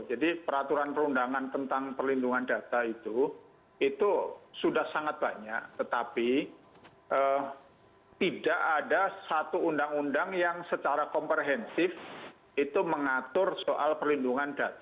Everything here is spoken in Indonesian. jadi peraturan perundangan tentang perlindungan data itu itu sudah sangat banyak tetapi tidak ada satu undang undang yang secara komprehensif itu mengatur soal perlindungan data itu